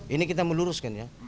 ini kita meluruskan ya